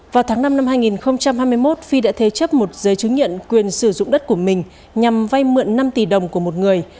vào tháng năm năm hai nghìn hai mươi một phi đã thế chấp một giới chứng nhận quyền sử dụng đất của mình nhằm vay mượn năm tỷ đồng của một người